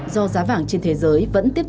do giá vàng trên thế giới